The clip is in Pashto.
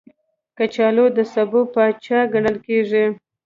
کچالو د سبو پاچا ګڼل کېږي